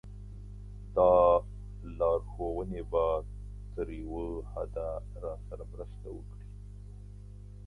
دا لارښوونې به تر یوه حده راسره مرسته وکړي.